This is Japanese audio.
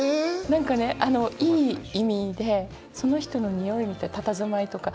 何かねいい意味でその人のにおいたたずまいとか。